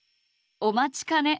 お待ちかね！